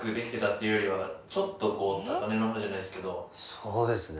そうですね。